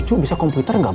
cerita kayak ganda ganda